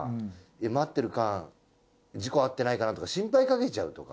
待ってる間事故遭ってないかなとか心配かけちゃうとか。